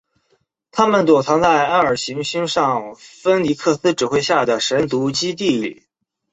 他们躲藏在艾尔行星上芬尼克斯指挥下的神族基地中。